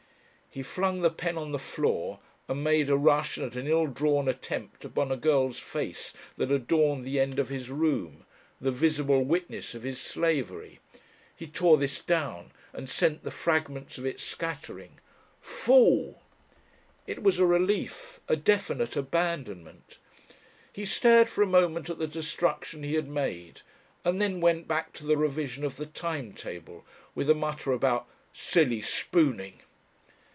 He flung the pen on the floor and made a rush at an ill drawn attempt upon a girl's face that adorned the end of his room, the visible witness of his slavery. He tore this down and sent the fragments of it scattering.... "Fool!" It was a relief a definite abandonment. He stared for a moment at the destruction he had made, and then went back to the revision of the time table, with a mutter about "silly spooning."